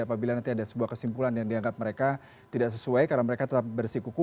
apabila nanti ada sebuah kesimpulan yang dianggap mereka tidak sesuai karena mereka tetap bersikuku